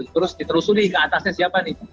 terus diterusuri ke atasnya siapa nih